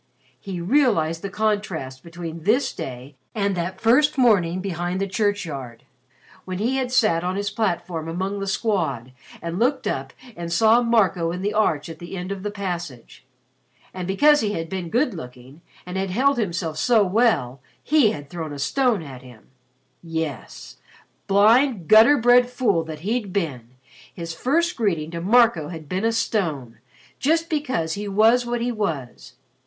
He realized the contrast between this day and that first morning behind the churchyard, when he had sat on his platform among the Squad and looked up and saw Marco in the arch at the end of the passage. And because he had been good looking and had held himself so well, he had thrown a stone at him. Yes blind gutter bred fool that he'd been: his first greeting to Marco had been a stone, just because he was what he was.